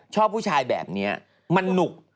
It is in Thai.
ชอบผู้ชายแบบนี้มันหนุก